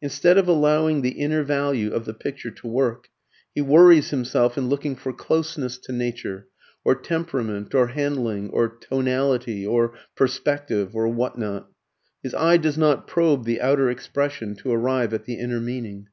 Instead of allowing the inner value of the picture to work, he worries himself in looking for "closeness to nature," or "temperament," or "handling," or "tonality," or "perspective," or what not. His eye does not probe the outer expression to arrive at the inner meaning.